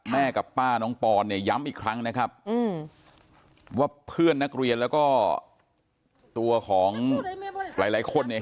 แม่กับป้าน้องปอนเนี่ยย้ำอีกครั้งนะครับว่าเพื่อนนักเรียนแล้วก็ตัวของหลายคนเนี่ย